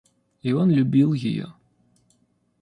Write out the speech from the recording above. И он любил ее.